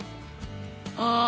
ああ。